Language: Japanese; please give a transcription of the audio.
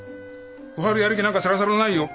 小春やる気なんかさらさらないよ。